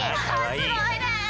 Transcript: すごいね！